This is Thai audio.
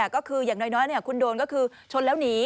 ก็คืออย่างน้อยคุณโดนก็คือชนแล้วหนี